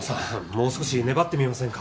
もう少し粘ってみませんか？